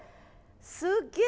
すげえ！